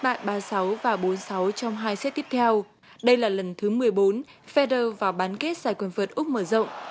bại ba sáu và bốn sáu trong hai xét tiếp theo đây là lần thứ một mươi bốn federer vào bán kết giải quyền vợt úc mở rộng